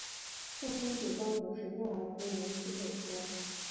郑兴主张有神论而不信谶纬说。